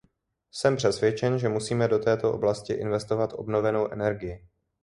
Jsem přesvědčen, že musíme do této oblasti investovat obnovenou energii.